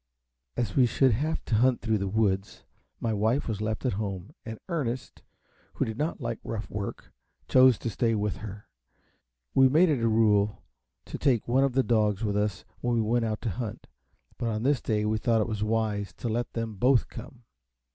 As we should have to hunt through the woods, my wife was left at home; and Ernest, who did not like rough work, chose to stay with her. We made it a rule to take one of the dogs with us when we went out to hunt, but on this day we thought it wise to let them both come.